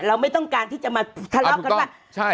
ไม่ต้องการที่จะมาทะเลาะกันว่า